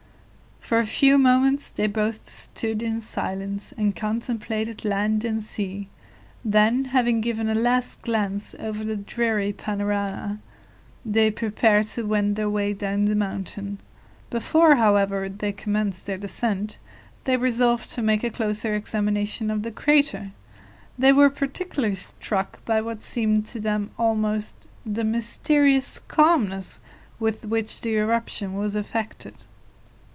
For a few moments they both stood in silence, and contemplated land and sea; then, having given a last glance over the dreary panorama, they prepared to wend their way down the mountain. Before, however, they commenced their descent, they resolved to make a closer examination of the crater. They were particularly struck by what seemed to them almost the mysterious calmness with which the eruption was effected.